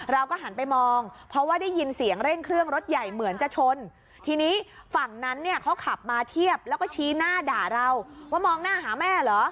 เราก็หันไปมองเพราะว่าได้ยินเสียงเร่งเครื่องรถใหญ่เหมือนจะชนทีนี้ฝั่งนั้นเนี่ยเขาขับมาเทียบแล้วก็ชี้หน้าด่าเราว่ามองหน้าหาแม่เหรอ